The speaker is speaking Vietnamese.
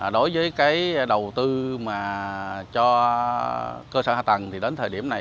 đối với đầu tư cho cơ sở hạ tầng đến thời điểm này